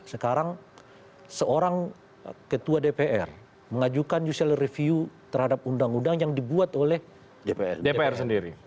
sekarang seorang ketua dpr mengajukan judicial review terhadap undang undang yang dibuat oleh dpr sendiri